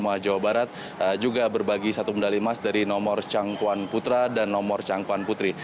maha jawa barat juga berbagi satu medali emas dari nomor changkuan putra dan nomor changkuan putri